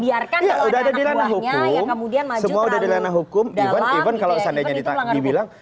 jadi presiden angkat membiarkan kalau ada anak buahnya yang kemudian maju terlalu dalam idean itu